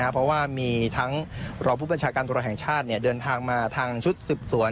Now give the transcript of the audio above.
เพราะว่ามีทั้งรองผู้บัญชาการตรวจแห่งชาติเดินทางมาทางชุดสืบสวน